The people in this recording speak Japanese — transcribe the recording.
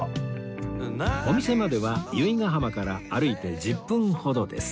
お店までは由比ヶ浜から歩いて１０分ほどです